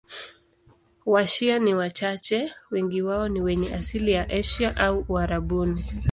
Washia ni wachache, wengi wao ni wenye asili ya Asia au Uarabuni.